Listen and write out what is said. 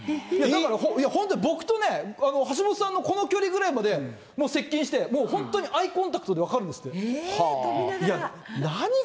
だから本当、僕とね、橋本さんのこの距離ぐらいまでもう接近して、本当にアイコンタクトで分かるんですって。